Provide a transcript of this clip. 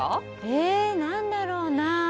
ええ何だろうなあ？